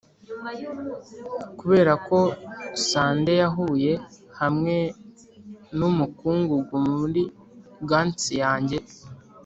kuberako, sunday yahuye, hamwe numukungugu muri gants yanjye,